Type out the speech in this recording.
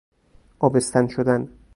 آبستن شدن